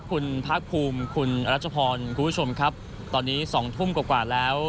คุณภาคภูมิคุณรัชพรคุณผู้ชมครับตอนนี้๒ทุ่มกว่าแล้ว